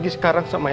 campurkan diri mari